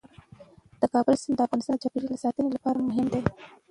د کابل سیند د افغانستان د چاپیریال ساتنې لپاره مهم دی.